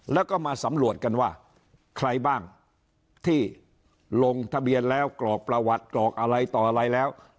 แล้วก็มาสำรวจกันว่าใครบ้างที่ลงทะเบียนแล้วกรอกประวัติกรอกอะไรต่ออะไรแล้ว